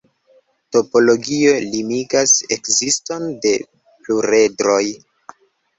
Topologio limigas ekziston de pluredroj.